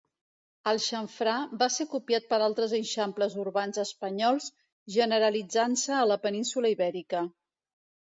El xamfrà va ser copiat per altres eixamples urbans espanyols, generalitzant-se a la península Ibèrica.